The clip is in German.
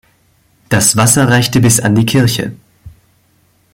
Das Wasser reichte bis an die Kirche.